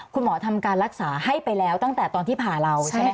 คุณหมอทำการรักษาให้ไปแล้วตั้งแต่ตอนที่ผ่าเราใช่ไหมค